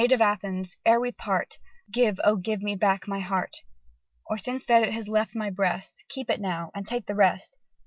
Maid of Athens, ere we part, Give, oh give me back my heart! Or, since that has left my breast, Keep it now, and take the rest!